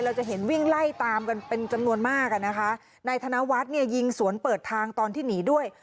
เราจะเห็นวิ่งไล่ตามกันเป็นจำนวนมากอ่ะนะคะนายธนวัฒน์เนี่ยยิงสวนเปิดทางตอนที่หนีด้วย